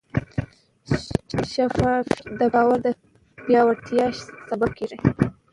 شفافیت د باور د پیاوړتیا سبب کېږي.